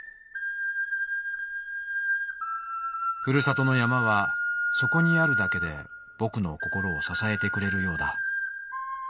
「ふるさとの山はそこにあるだけでぼくの心をささえてくれるようだ。